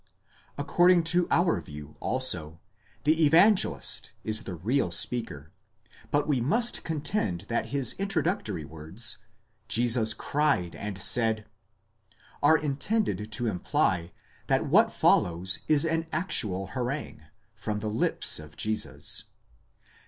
14 According to our view also, the Evangelist is the real speaker ; but we must contend that his introductory words, Jesus cried and said, Ἰησοῦς δὲ ἔκραξε καὶ εἶπεν, are intended to imply that what follows is an actual harangue, from the lips of Jesus.